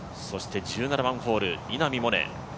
そして１７番ホール稲見萌寧